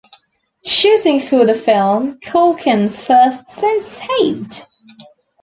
Shooting for the film, Culkin's first since Saved!